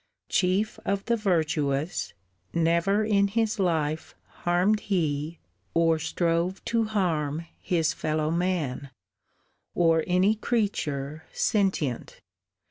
Chief of the virtuous, never in his life Harmed he, or strove to harm, his fellow man, Or any creature sentient.